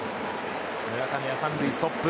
村上は３塁ストップ。